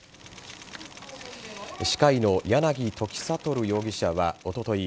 歯科医の柳時悟容疑者はおととい